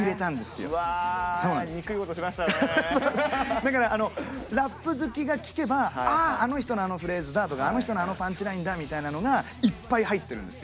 だからあのラップ好きが聴けば「あああの人のあのフレーズだ」とか「あの人のあのパンチラインだ」みたいなのがいっぱい入ってるんですよ。